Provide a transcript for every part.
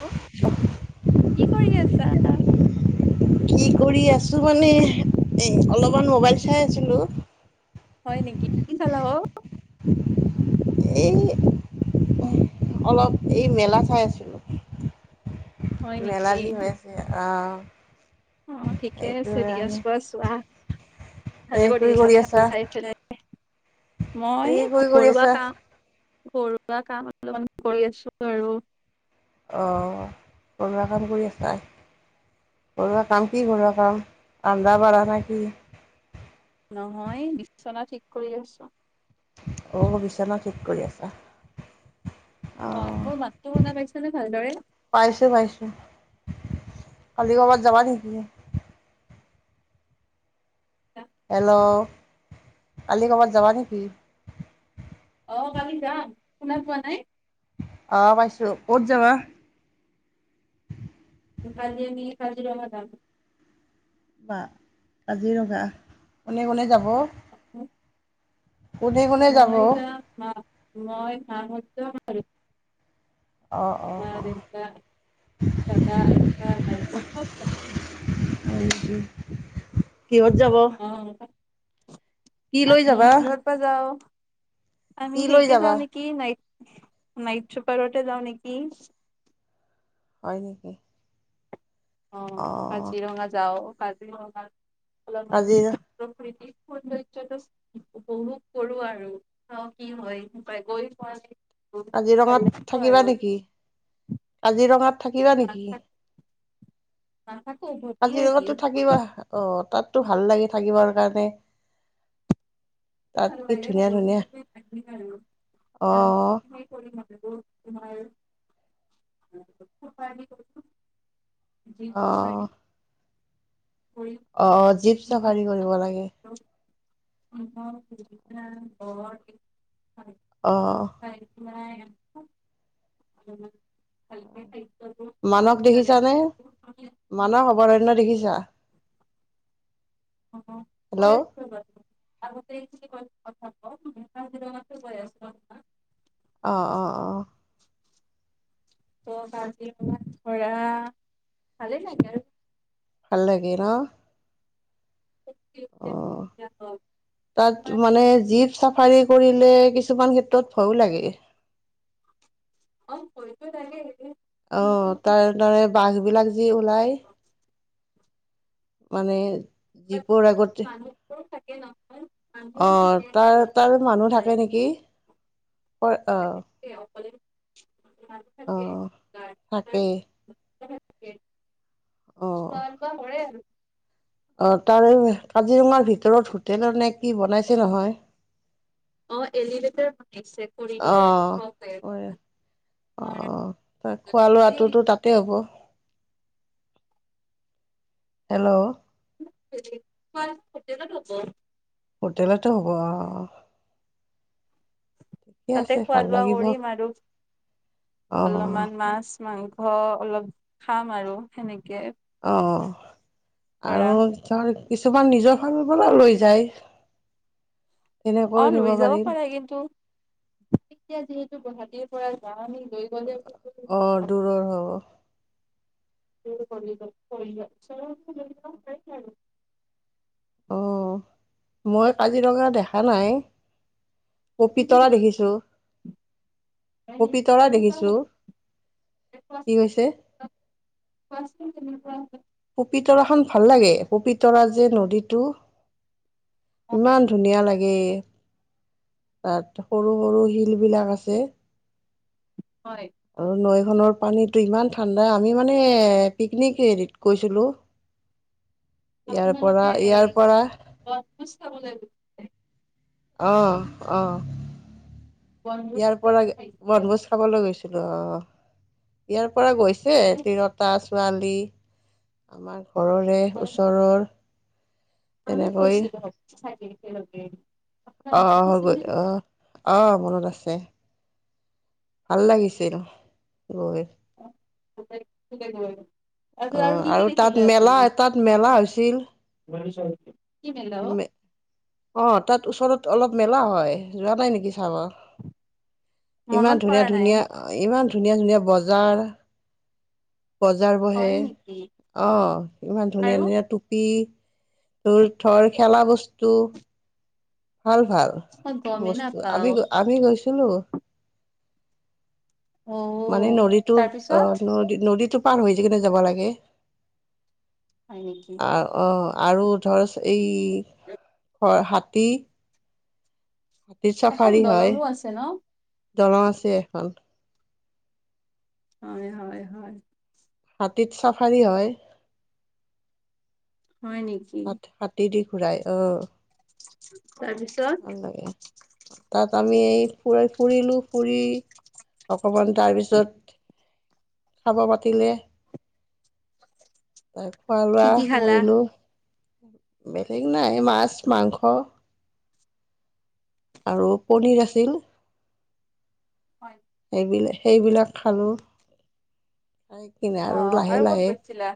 Hello কি কৰি আছা! কি কৰি আছো মানে এ অলপমান মোৱাইল চাই আছিলো। হয় নেকি কি চালা অ [unintelligible] এ অলপ এই মেলা চাই আছিলোঁ। হয় মেলা নেকি? যি হৈ আছে অৱ অ ঠিকে আছে দিয়া চোৱা চোৱা। ভালে কৰি আছা চাই [unintelligible] মই এই কি কৰি ঘৰুৱা আছা কাম। ঘৰুৱা কাম অলপমান কৰি আছো আৰু অ ঘৰুৱা কাম কৰি আছা ঘৰুৱা কাম কি ঘৰুৱা কাম আনদা বাঢ়া নে কি? নহয় বিচনা ঠিক কৰি আছো। অ বিচনা ঠিক কৰি আছা। অ মোৰ মাতটো শুনা অৱ পাইছানে ভালদৰে? পাইছো পাইছো। কালি ক'ৰবাত যাবা নেকি? হেল্লো' কালি ক'ৰবাত যাবা নেকি? অ কালি যাম শুনা পোৱা নাই! অৱ পাইছো ক'ত যাবা। কালি আমি কাজিৰঙা যাম। বা কাজিৰঙা কোনে কোনে যাব! কোনে কোনে যাব? মই যাম মা মই সাহয্য মো অঁ অঁ মা অঁ দেউতা দাদা আইতা বাইদেউ চব যাম হয়। কিহত যাব? অ কি লৈ আমি যাবা ঘৰ পা যাও। আমি কি লৈ সেইতি যাবা যাওঁ নে কি নাই নাইট চপাৰতে যাও নেকি হয় নেকি অ অঁ কাজিৰঙা যাও কাজিৰঙা অলমান কাজি প্ৰকৃতি। সৌন্দৰ্য্যটো উপভোগ কৰো আৰু চাওঁ কি হয় পাই গৈ পাই কাজিৰঙাত থাকিবা নেকি কাজিৰঙাত থাকিবা নেকি? নাথাক নাথাকো উভতি কাজিৰঙা আহিম টো থাকিবা অ তাত। টো ভাল লাগি থাকিবৰ কাৰণে। তাত ভাল কি লাগে ধুনীয়া বাৰু ধুনীয়া অঁ [unintelligible] তোমাৰ জি খু হয়। অ জীপ চাফাৰী কৰিব লাগে। অ অঁ [unintelligible] নাই মানস দেখিছা নে মানস অভাৰণ্য দেখিছা অ কত হেল্ল' আছে বাৰু আগতে [unintelligible] অঁ অঁ অঁ ভাজি ম থৰা ভালে লাগিলে আৰু ভাল লাগে ন অ তাত মানে জীপ চাফাৰী কৰিলে কিছুমান ক্ষেত্ৰত ভয়ো লাগে [unintelligible] লাগে? অ তাৰ তৰে বাঘ বিলাক যি ওলাই। [inaudible] মানে জীপৰ আগতে কে নহ অ তাৰ তাৰ মানুহ থাকে নেকি। হয় আহ। অকলে মানুহ থাকে আহ তাকেই চাল বা পৰে আৰু অ তাৰে কাজিৰঙাৰ ভিতৰত হোটেল নে কি বনাইছে নহয়। অ এলিভেটড বনাইছে অ কৰিডৰ ও অ ত খোৱা এই লোৱাটোতো তাতে হ'ব। হেল্ল' [unintelligible] হোটেলটো হ'ব আহ তাতে খোৱা লোৱা কৰিম আৰু অ অলপমান মাছ মাংস অলপ খাম আৰু সেনেকে অ ধৰা আৰু ধৰ কিছুমান নিজৰ ফালৰ পৰা লৈ যায়। অ তেনেকৈ নিব লৈ যাব পাৰিম। পাৰে কিন্তু এতিয়া যিহেতু গুৱাহাটীৰ পৰা যাম আমি। লৈ গ'লে অ দূৰৰ হ'ব [unintelligible] অ মই কাজিৰঙা দেখা নাই। পপিতৰা দেখিছো। পপিতৰা কেনেকুৱা দেখিছো হয় কি হৈছে। কোৱাছোন কেনেকুৱা। পপিতৰাখন ভাল লাগে পপিতৰা যে নদীটো ইমান ধুনীয়া লাগে। গে তাত সৰু সৰু শিল বিলাক আছে হয়। আৰু নৈখনৰ পানীতো ইমান ঠাণ্ডা আমি মানে পিকনিক হেৰিত গৈছিলোঁ ইয়াৰ পৰা ইয়াৰ পৰা। ভোজ খাবলৈ। অহ অহ বনভোজ ইয়াৰ পৰা খাইছে বনভোজ খাবলৈ গৈছিলোঁ। ছিলো অ ইয়াৰ পৰা গৈছে তিৰতা ছোৱালী আমাৰ। ঘৰৰে ওচৰৰ তেনেকৈ। একেলকে। অহ অহ হব অ মনত আছে। ভাল লাগিছিল গৈ। [unintelligible] তাৰপিছত অ কি কি আৰু দেখিলে তাত মেলা আপুনি? তাত মেলা হৈছিল। কি মেলা অ। অ তাত ওচৰত অলপ মেলা হয় যোৱা নাই নেকি। চাব মনত ইমান ধুনীয়া পৰা নাই ধুনীয়া বজাৰ ইমান ধুনীয়া ধুনীয়া বজাৰ। বজাৰ বহে হয় নেকি অ ইমান ধুনীয়া আৰু ধুনীয়া টুপি। তোৰ ধৰ খেলা বস্তু। ভাল ভাল মই গমেই বস্তু নাপাও আমি আমি গৈছিলো। মানে অ' নলীটো অ তাৰপিছত ন নদীটো। পাৰ হৈ যিকনে যাব লাগে হয় নেকি অহ অ। আৰু ধৰ এই ঘৰ হাতী। হাতীৰ এখন চাফাৰী হয় দলঙো আছে ন? দলং আছে এখন। হয় হয় হয়। হাতীত চাফাৰী হয়। হয় নেকি হাত হাতী দি ঘূৰাই অহ। তাৰপিছত। তাত আমি ফুৰাই ফুৰিলো ফুৰি অকমান তাৰপিছত। খাব মাতিলে। খোৱা লোৱা কি কি খালা? কৰিলোঁ। বেলেগ নাই মাছ মাংস। আৰু পনীৰ আছিল। হয়। দিলে সেইবিলাক খালো। আহি কিনে অ আৰু লাহে ক'ত লাহে গৈছিলা?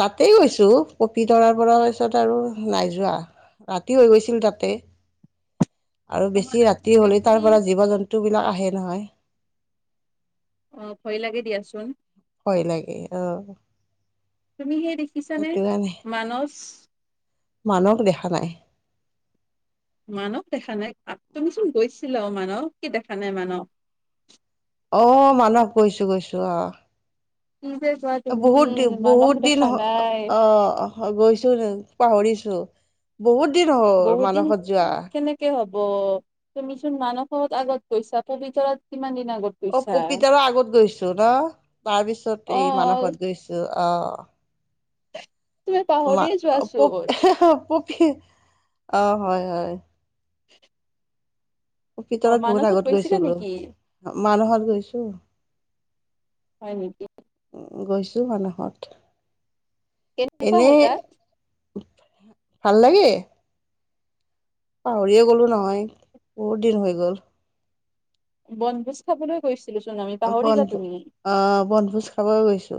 তাতেই গৈছো। কপি তৰাৰ পৰা পিছত আৰু নাই যোৱা ৰাতি হৈ গৈছিল তাতে। [unintelligible] আৰু নহয় বেছি ৰাতি বেলেগ হলে তাৰ তুমি পৰা জীৱ- জন্তু বিলাক আহে নহয়। অ ভয় লাগে দিয়াচোন। ভয় লাগে অ। তুমি সে দেখিছানে মানস। মানক দেখা নাই। মানক দেখা নাই তুমিচোন গৈছিলা অ মাহক কি দেখা নাই মানক। অহ মানস গৈছো গৈছো অহ। কি যে কোৱা তুমি বহুত দিন মানস বহুত দিন দেখা নাই অ গৈছোঁ তেন্তে। পাহৰিছো বহুত দিন হল বহুত দিন মানসত যোৱা। কেনেকে হ'ব। তুমিচোন মানসত আগত গৈছা পবিতৰত কিমান। আগত অ গৈছা। পবিতৰা আগত গৈছো ন তাৰ পিছত অ এই মানসত গৈছো। অঁ। তুমি পাহৰিয়ে যোৱাচোন পপি অ হয় হয়। [unintelligible] অ ভিতৰত বহুত মানসত আগত গৈছিলা গৈছিলো নেকি মানুহত গৈছো। হয় নেকি। গৈছো মানাহত। কেনেকুৱা হয় তাত। ভাল লাগে। পাহৰিয়ে গ'লো নহয় বহুত দিন হৈ গল। বনভোজ খাবলৈ গৈছো। বনভো আহ বনভোজ খাব গৈছো।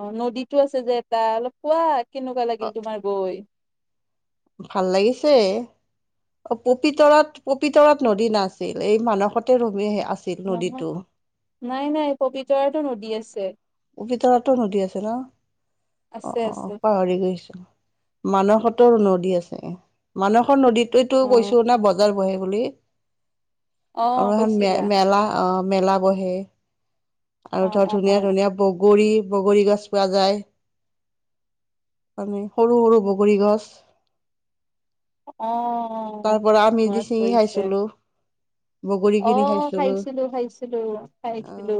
অ নদীতো আছে যে এটা অলপ কোৱা কেনেকুৱা অ লাগিল তোমাৰ গৈ? ভাল লাগিছে। অ পপিতৰাত পপিতৰাত নদী নাছিল এই মানসতে ৰমি আ আছিল নহয় নদীতটো। নাই নাই পবিতৰাটো নদী আছে। পবিতৰাটো নদী আছে ন? অ আছে অ আছে পাহৰি গৈছিলো। মানসহতৰ নদী আছে মানসৰ নদীততো অ কৈছো না বজাৰ বহে। বুলি অ আৰু এখন ম কৈছিলা মেলা অ মেলা বহে অ আৰু ধৰ অ ধুনীয়া ধুনীয়া বগ গৰী বগৰী গছ পোৱা যায়। মানে সৰু সৰু বগৰী গছ। অ তাৰ পৰা আমি দি মনত ছিঙি পৰিছে খাইছিলোঁ বগৰী অ কিনি খাইছিলোঁ খাইছিলো খাইছিলো খাইছিলো।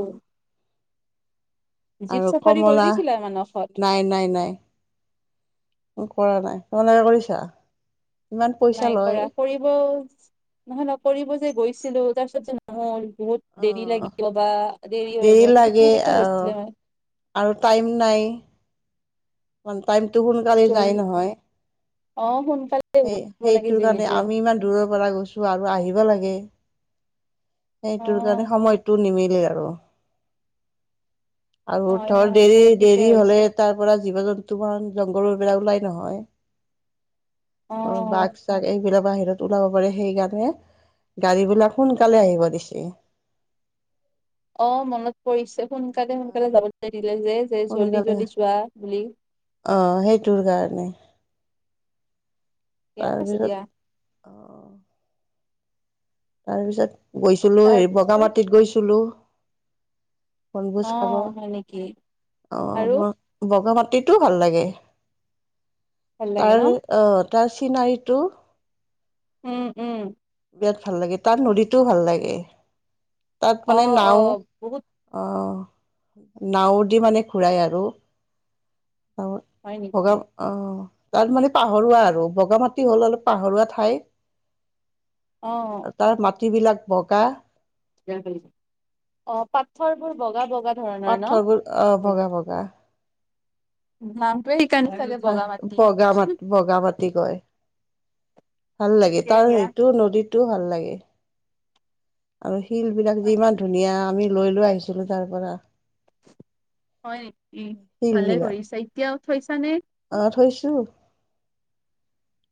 জীপ আৰু চাফাৰী কমলা কৰিছিলা মানসত নাই নাই নাই। কৰা নাই, তোমালোকে কৰিছা? ইমান পইচা নাই লয় কৰা কৰিব নহয় নহ কৰিব যে গৈছিলো তাৰ পিছত যে নহ'ল বহুত দেৰি অঁ লাগিব বা দেৰি হৈ গ'ল লাগে সেনেকুৱা আহ হৈছিলে মই। আৰু টাইম নাই। ম টাইমতটো সোনকালে জল যায় নহয়। অ সোনকালে সেই উঠিব লাগে সেইটো কাৰণে যিহেতু আমি ইমান দূৰৰ পৰা গৈছো আৰু আহিব লাগে। সেইটোৰ কাৰণে অ সময়টো নিমিলে আৰু। আৰু হয় ধৰ হয় দেৰি হয় ঠিকে দেৰি হলে হৈছে তাৰ পৰা জীৱ জন্তু ম জংঘলৰব ওলাই নহয়। অ বাঘ চাক এইবিলাক আহিল। ওলাব পাৰে সেইকাৰণে গাড়ী বিলাক সোনকালে আহিব দিছে। [inaudible] অ মনত পৰিছে সোনকালে সোনকালে যাব দি। যে যে জল্দি জল্দি চোৱা বুলি। আহ সেইটোৰ কাৰণে। ঠিকে তাৰ আছে ভিতৰত দিয়া আহ তাৰ পিছত গৈছিলো হে তাৰপিছত বগামাটিত গৈছিলো। বনভোজ অ খাব হয় নেকি আহ আৰু ব বগা পাত প্ৰতিটো ভাল লাগে ভাল লাগে ন তাৰ আহ তাৰ চিনাৰীটো উম উম বিৰাট ভাল লাগে তাৰ নদীতটোও ভাল লাগে। তাত অ মানে অ নাও বহুত অহ। নাওৰ দি মানে ঘূৰাই আৰু। ত হয় বগা নেকি অ তাৰ মানে পাহৰুৱা আৰু বগা মাটি হ'ল অলপ পাহৰুৱা ঠাই। অ তাৰ মাটিবিলাক বগা। অ পাথৰ বোৰ বগা বগা ধৰণৰ ন পাঠবোৰ আহ বগা বগা। নামটোৱে সেইকাৰনে থলে বগা মাটি। বগা মাটি বগা মাটি কয় ভাল লাগে ঠিকে তাৰ দিয়া সেইটো নদীতটো ভাল লাগে, আৰ শিল বিলাক হয় যে নেকি ইমান ধুনীয়া আমি লৈ লৈ আহিছিলো তাৰ পৰা। হয় নেকি? শিল ভালে বিলাক কৰিছে এতিয়াও থৈছা নে? আহ থৈছো।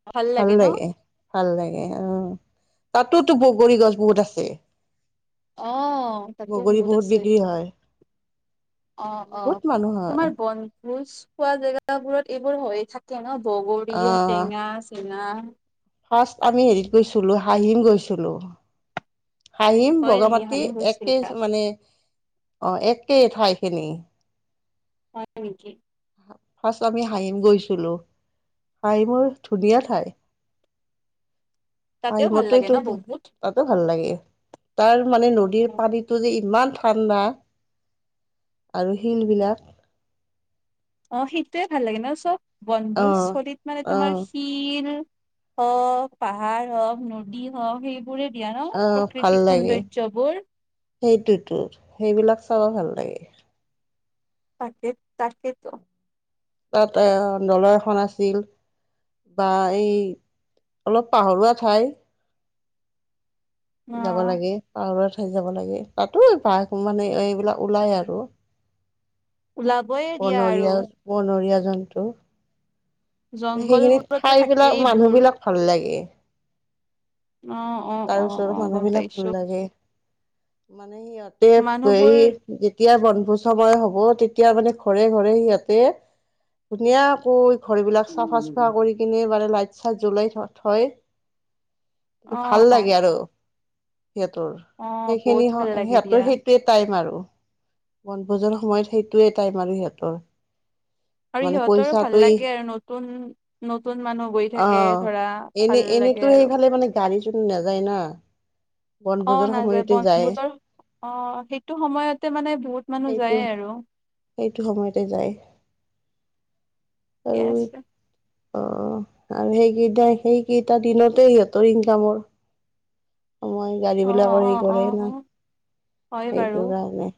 ভাল লাগে ন ভাল লাগে উ তাতোতো বগৰী গছ বহুত আছে অ তাতো বগৰী বহুত আছে বিক্ৰী হয়। অ অ বহুত মানুহ হয় তোমাৰ বন ভোজ খোৱা জেগা বোৰত এইবোৰ হৈ থাকে ন বগৰী আহ টেঙা চেঙা ফাৰ্ষ্ট আমি হেৰিত গৈছিলো হাহিম গৈছিলো হাঁহিম হয় বগা নেকি মাটি হাঁহি একেইচ গৈছিলা মানে অহ একেই ঠাইখিনি হয় নেকি ফাৰ্ষ্ট আমি হাঁহিম গৈছিলো হাঁহি বৰ ধুনীয়া ঠাই তাতেও ভাল হাহিমতোৰ লাগে টো ন বহুত তাতো ভাল লাগে। তাৰ মানে নদীৰ পানীটো যে ইমান ঠাণ্ডা আৰু শিলবিলাক অ সেইটোয়ে ভাল লাগে ন চব অ বনভোজস্থলীত মানে অ তোমাৰ শিল হওক পাহাৰ হওক নদী হওক সেই অহ ভাল লাগে সেইটোতো সেইবিলাক চাব ভাল লাগে তাকে তাকেতো তাত আহ দলং এখন আছিল বা এই অলপ পাহৰুৱা ঠাই অ যাব লাগে পাহৰোৱাত যাব লাগে তাতো বাঘ মানে এইবিলাক ওলাই আৰু। ওলাবয়ে দিয়া আৰু বনৰীয়া বনৰীয়া জন্তু সেইখিনি জংঘলবোৰতো ঠাই বিলাক মানুহ থাকেইবোৰ বিলাক ভাল লাগে। অ অ তাৰ অ ওচৰতো অ মানুহ গম বিলাক ভাল পাইছো লাগে। মানে সিহঁতে এই মানুহবোৰ তেতিয়া বনভোজ সময় হব তেতিয়া মানে ঘৰে ঘৰে সিহঁতে ধুনীয়া কৈ ঘৰবিলাক চাফা চুফা উম। কৰি কিনে বাৰে লাইট চাইট জ্বলাই থ থয়। অ', ভাল লাগে আৰু সিহঁতৰ অ', বহুত সেইখিনি হ ভাল লাগে সিহঁতৰ দিয়া সেইটোৱে টাইম আৰু। বনভোজৰ সময়ত সেইটোয়ে টাইম আৰু সিহঁতৰ। আৰু মানে সিহঁতৰ আৰু ভাল পইচাটো লাগে আৰু নতুন নতুন মানুহ গৈ থাকে ধৰা ভাল লাগে এনেইতো আৰু সেইফালে মানে গাড়ী চাৰি নাযায় না অ', বনভোজৰ নাযায় সময়তে যায়। বনভোজৰ অ সেইটো সময়তে মানে বহুত মানুহ সেইটো যায় আৰু। সেইটো সময়তে যায়। ঠিকে আছে। অ আৰু সেইকেইটা সেইকেইটা দিনতে সিহঁতৰ ইনকামৰ সময় গাড়ী অ', বিলাকৰ হেৰি অ', কৰে ন অ', হয় বাৰু। সেইটো কাৰণে।